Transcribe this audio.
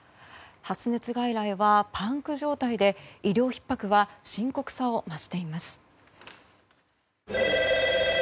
発熱外来はパンク状態で医療ひっ迫は深刻さを増しています。